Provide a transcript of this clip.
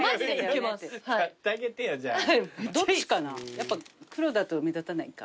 やっぱ黒だと目立たないか。